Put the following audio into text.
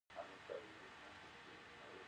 مصنوعي ځیرکتیا د ټولنې د پرمختګ انځور بدلوي.